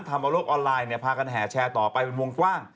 ธรรมโลกออนไลน์เนี่ยพากันแห่แชร์ต่อไปเป็นวงกว้าง